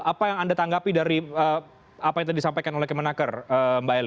apa yang anda tanggapi dari apa yang tadi disampaikan oleh kemenaker mbak eli